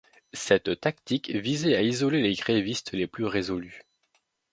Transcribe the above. Cette tactique visait à isoler les grévistes les plus résolus.